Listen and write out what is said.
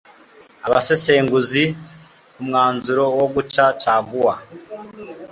Abasesenguzi ku mwanzuro wo guca caguwa